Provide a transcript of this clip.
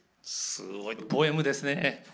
すごいポエムですね。